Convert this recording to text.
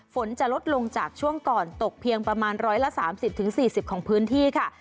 ฝนจะลดลงจากช่วงก่อนตกเพียงประมาณ๑๓๐๔๐ของพื้นที่ค่ะ